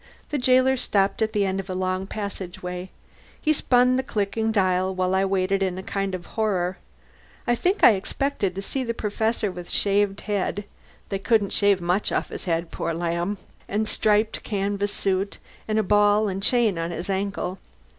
The jailer stopped at the end of a long passageway. He spun the clicking dial, while I waited in a kind of horror. I think I expected to see the Professor with shaved head (they couldn't shave much off his head, poor lamb!) and striped canvas suit, and a ball and chain on his ankle.